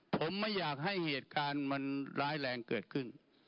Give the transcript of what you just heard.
ผมไม่อยากให้เหตุการณ์มันร้ายแรงเกิดขึ้น